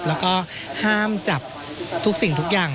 แล้วก็ห้ามจับทุกสิ่งทุกอย่าง